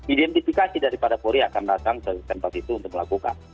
identifikasi daripada polri akan datang ke tempat itu untuk melakukan